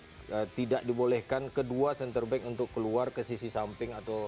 dan biasanya di premier league tidak dibolehkan kedua centre back untuk keluar ke sisi samping atau ke bawah